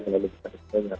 dengan lebih kepentingan